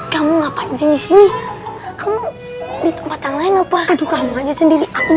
kamu ngapain disini kamu di tempat lain apa aduh kamu aja sendiri aku